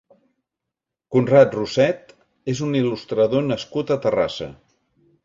Conrad Roset és un il·lustrador nascut a Terrassa.